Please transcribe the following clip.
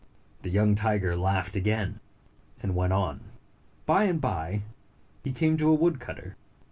The young tiger laughed again, and went on. By and by, he came to a woodcutter.